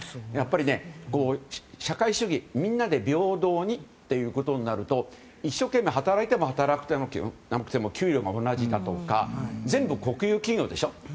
やっぱり社会主義、みんなで平等にということになると一生懸命働いても働かなくても給与が同じだとか全部、国有企業でしょ。